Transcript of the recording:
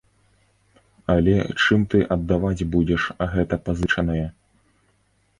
Але чым ты аддаваць будзеш гэта пазычанае?